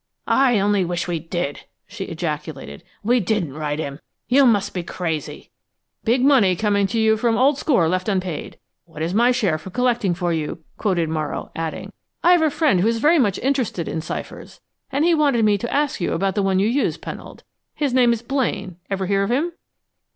"I only wish we did!" she ejaculated. "We didn't write him! You must be crazy!" "'Big money coming to you from old score left unpaid. What is my share for collecting for you?'" quoted Morrow, adding: "I have a friend who is very much interested in ciphers, and he wanted me to ask you about the one you use, Pennold. His name is Blaine. Ever hear of him?"